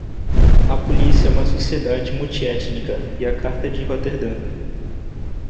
A polícia em uma sociedade multiétnica e a carta de Roterdã.